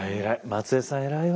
松枝さん偉いわ。